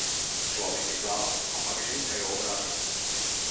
Človek je glava, ampak ženska jo obrača.